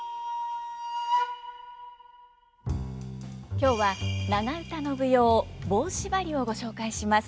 今日は長唄の舞踊「棒しばり」をご紹介します。